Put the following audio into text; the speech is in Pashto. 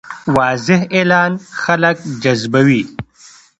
واضح اعلان خلک جذبوي.